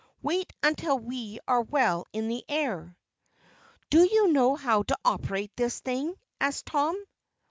"Wait until we are well in the air." "Do you know how to operate this thing?" asked Tom.